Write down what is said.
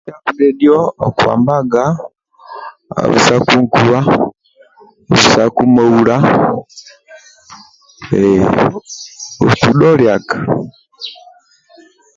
Ndia akudhedhio okuambaga obisaku nkuwa obisaku moula hhh obisaku liaga